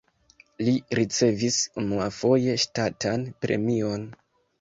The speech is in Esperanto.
Li ricevis unuafoje ŝtatan premion.